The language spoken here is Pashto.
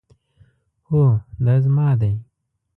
هو، دا زما دی